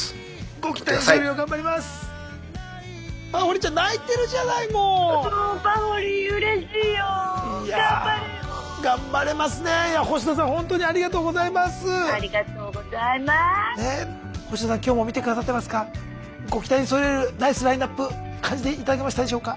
ご期待に添えれるナイスラインナップ感じて頂けましたでしょうか？